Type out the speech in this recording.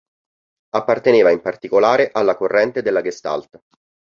Apparteneva in particolare alla corrente della Gestalt.